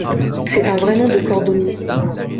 C’est un vrai nom de cordonnier !